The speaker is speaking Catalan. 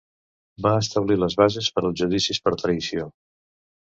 Va establir les bases per als judicis per traïció.